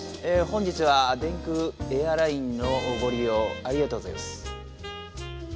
本日は電空エアラインのごりようありがとうございます。